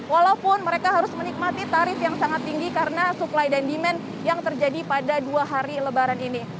walaupun mereka harus menikmati tarif yang sangat tinggi karena supply dan demand yang terjadi pada dua hari lebaran ini